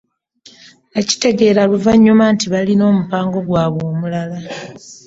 Nakitegeera luvannyuma nti baalina omupango gwabwe omulala.